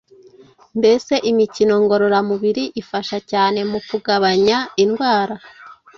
Mbese imikino ngororamubiri ifasha cyane mu kugabanya indwara